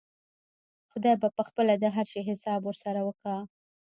خداى به پخپله د هر شي حساب ورسره وکا.